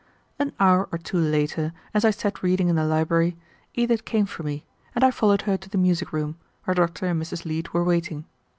An hour or two later, as I sat reading in the library, Edith came for me, and I followed her to the music room, where Dr. and Mrs. Leete were waiting.